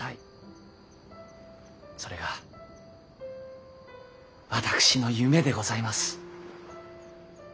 それが私の夢でございます。